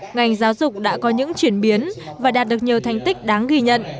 ngành giáo dục đã có những chuyển biến và đạt được nhiều thành tích đáng ghi nhận